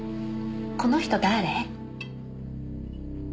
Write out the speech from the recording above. この人誰？